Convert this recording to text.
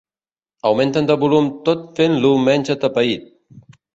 Augmentem de volum tot fent-lo menys atapeït.